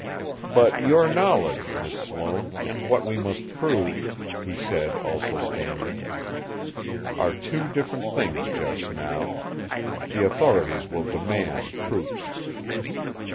"But your knowledge, Miss Sloane, and what we must prove," he said, also standing, "are two different things just now. The authorities will demand proofs."